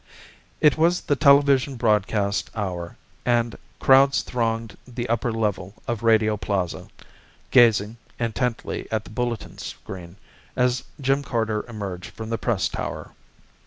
It was the television broadcast hour and crowds thronged the upper level of Radio Plaza, gazing, intently at the bulletin screen, as Jim Carter emerged from the Press tower.